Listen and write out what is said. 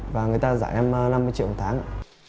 và người ta giải em năm mươi triệu một tháng